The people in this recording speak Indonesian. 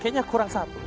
kayaknya kurang satu